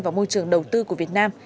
vào môi trường đầu tư của việt nam